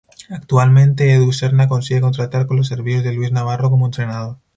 Actualmente, Edu Serna consigue contratar con los servicios de Luis Navarro como entrenador.